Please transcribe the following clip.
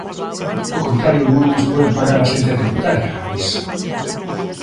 Do contrario non imos poder pagar á Axencia Tributaria, avisa.